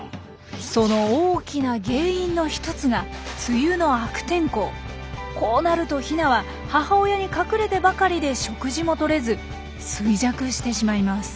その大きな原因の一つがこうなるとヒナは母親に隠れてばかりで食事もとれず衰弱してしまいます。